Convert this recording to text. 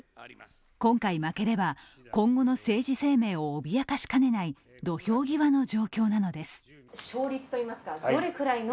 今回負ければ今後の政治生命を脅かしかねない土俵際の状況なのです。